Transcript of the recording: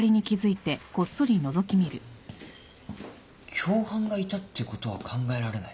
共犯がいたってことは考えられない？